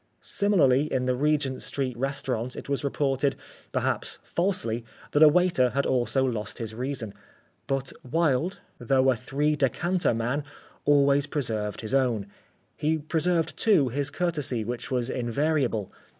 Similarly in the Regent street restaurant it was reported, perhaps falsely, that a waiter had also lost his reason. But Wilde, though a three decanter man, always preserved his own. He preserved, too, his courtesy which was invariable.